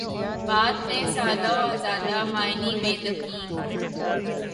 بات میں سادہ و آزادہ، معانی میں دقیق